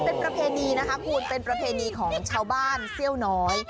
เป็นประเพณีนะคะคุณเป็นประเพณีของชาวบ้านเซี่ยวน้อย